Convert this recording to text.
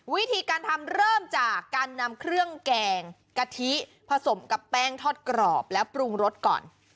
วิธีการทำเริ่มจากการนำเครื่องแกงกะทิผสมกับแป้งทอดกรอบแล้วปรุงรสก่อน